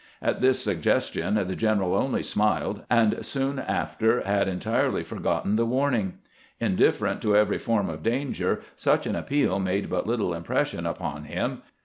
At this suggestion the general only smiled, and soon after had entirely forgotten the warning. Indifferent to every form of danger, such an appeal made but little impression upon him.